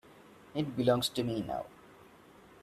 It belongs to me now.